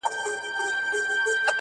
د ورور و غاړي ته چاړه دي کړمه,